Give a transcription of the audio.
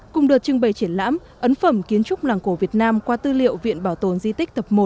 cùng đợt trưng bày triển lãm ấn phẩm kiến trúc làng cổ việt nam qua tư liệu viện bảo tồn di tích tập một